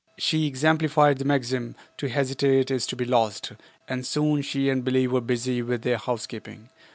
She exemplified the maxim, "To hesitate is to be lost," and soon she and Billie were busy with their housekeeping.